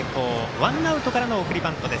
ワンアウトからの送りバントです。